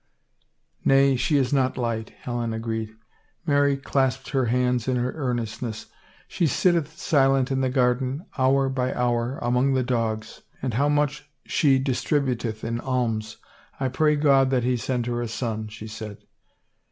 " Nay, she is not light," Helen agreed. Mary clasped her hands in her earnestness. She sit teth silent in the garden, hour by hour, among the dogs. ... And how much she distributeth in alms! I pray God that he send her a son," she said.